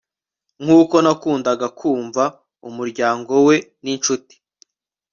nkuko nakundaga kumva umuryango we n'inshuti